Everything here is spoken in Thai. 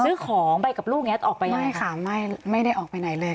ซื้อของไปกับลูกเนี้ยออกไปไม่ค่ะไม่ไม่ได้ออกไปไหนเลย